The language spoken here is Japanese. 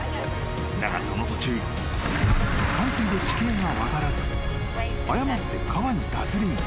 ［だがその途中冠水で地形が分からず誤って川に脱輪］